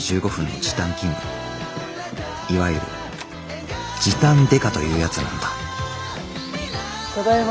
いわゆる時短刑事というやつなのだただいま。